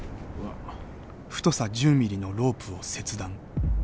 太さ１０ｍｍのロープを切断。